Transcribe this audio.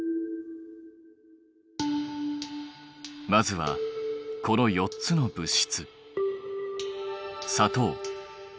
まずはこの４つの物質。